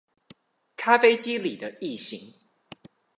咖啡機裡的異型